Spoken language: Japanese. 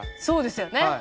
そうですよね。